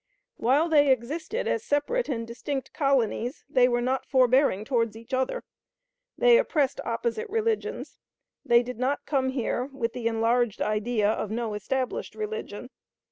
While they existed as separate and distinct colonies they were not forbearing toward each other. They oppressed opposite religions. They did not come here with the enlarged idea of no established religion.